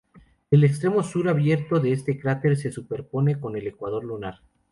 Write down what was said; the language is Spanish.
El extremo sur abierto de este cráter se superpone con el ecuador lunar.